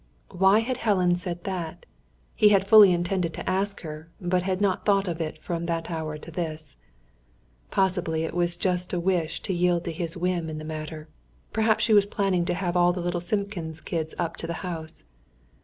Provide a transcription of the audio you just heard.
Why had Helen said that? He had fully intended to ask her, but had not thought of it from that hour to this. Possibly it was just a wish to yield to his whim in the matter. Perhaps she was planning to have all the little Simpkins kids up to the house.